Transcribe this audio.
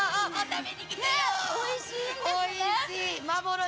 おいしい！